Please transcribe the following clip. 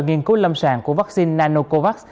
nghiên cứu lâm sàng của vaccine nanocovax